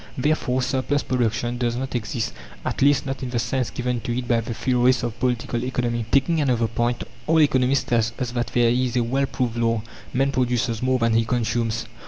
Therefore, "surplus production" does not exist, at least not in the sense given to it by the theorists of Political Economy. Taking another point all economists tell us that there is a well proved law: "Man produces more than he consumes."